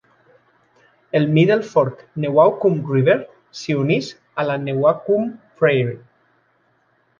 El Middle Fork Newaukum River s'hi uneix a la Newaukum Prairie.